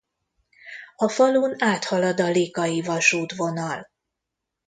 A falun áthalad a likai vasútvonal.